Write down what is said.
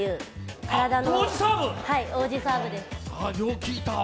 王子サーブです。